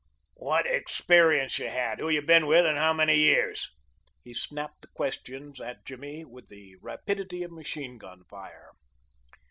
"What experience you had? Who you been with, and how many years?" He snapped the questions at Jimmy with the rapidity of machine gun fire.